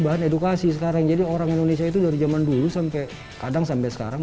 bahan edukasi sekarang jadi orang indonesia itu dari zaman dulu sampai kadang sampai sekarang